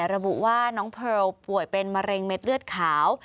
ระบุว่าน้องเพลลป่วยเป็นมะเร็งเม็ดเลือดขาว